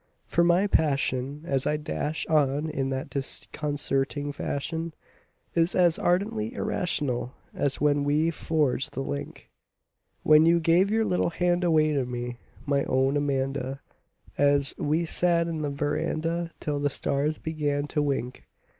For my passion as I dash on in that disconcerting fashion Is as ardently irrational as when we forged the link When you gave your little hand away to me, my own Amanda An we sat 'n the veranda till the stars began to wink.